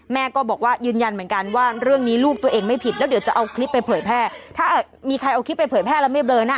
แม่ก็บอกว่ายืนยันเหมือนกันว่าเรื่องนี้ลูกตัวเองไม่ผิดแล้วเดี๋ยวจะเอาคลิปไปเผยแพร่ถ้ามีใครเอาคลิปไปเผยแพร่แล้วไม่เลินอ่ะ